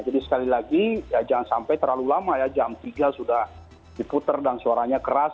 jadi sekali lagi jangan sampai terlalu lama ya jam tiga sudah diputer dan suaranya keras